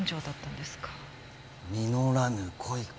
実らぬ恋か。